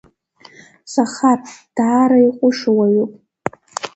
Захар даара иҟәышу уаҩуп.